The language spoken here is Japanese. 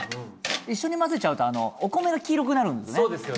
一緒に混ぜちゃうとお米が黄色くなるんですね